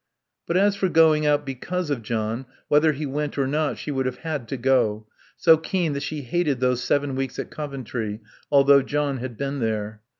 But as for going out because of John, whether he went or not she would have had to go, so keen that she hated those seven weeks at Coventry, although John had been there.